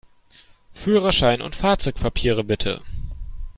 Führerschein und Fahrzeugpapiere, bitte!